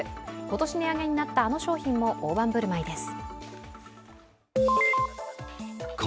今年値上げになったあの商品も大盤振る舞いです。